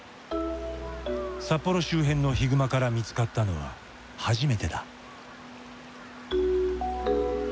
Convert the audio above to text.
札幌周辺のヒグマから見つかったのは初めてだ。